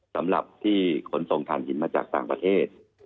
สำหรับที่ขนส่งฐานหินมาจากต่างประเทศ